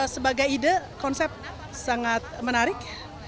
sebagai ide konsep sangat menarik